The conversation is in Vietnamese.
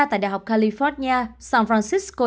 tại đại học california san francisco